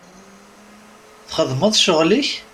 Txedmeḍ ccɣel-ik?